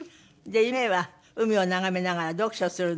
夢は「海を眺めながら読書する」